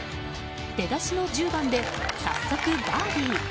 出だしの１０番で早速、バーディー。